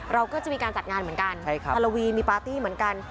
เราก็จะมีการจัดงานเหมือนกันฮาโลวีมีปาร์ตี้เหมือนกัน